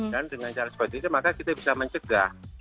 dan dengan cara seperti itu maka kita bisa mencegah